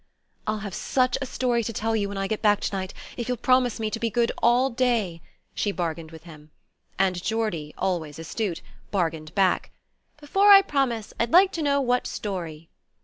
"I'll have such a story to tell you when I get back to night, if you'll promise me to be good all day," she bargained with him; and Geordie, always astute, bargained back: "Before I promise, I'd like to know what story."